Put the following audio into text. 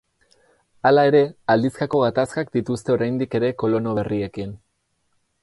Hala ere, aldizkako gatazkak dituzte oraindik ere kolono berriekin.